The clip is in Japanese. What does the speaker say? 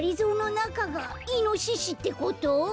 なかがイノシシってこと？